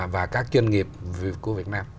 và các chuyên nghiệp của việt nam